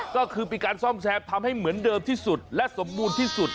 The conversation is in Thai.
ก็คือมีการซ่อมแซมทำให้เหมือนเดิมที่สุดและสมบูรณ์ที่สุด